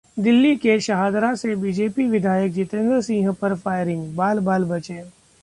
दिल्ली के शाहदरा से बीजेपी विधायक जितेंद्र सिंह पर फायरिंग, बाल-बाल बचे